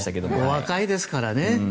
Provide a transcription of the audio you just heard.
若いですからね。